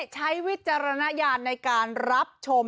วิจารณญาณในการรับชม